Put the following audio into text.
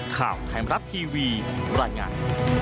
ข่าวไทยมรัฐทีวีรายงาน